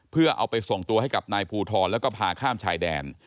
เพื่อเอาไปส่งตัวให้กับนายภูทรแล้วก็พาข้ามชายแดน